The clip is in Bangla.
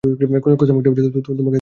কসম কেটে বলছি তোমাকে অনুসরণ করছি না।